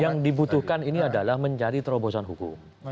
yang dibutuhkan ini adalah mencari terobosan hukum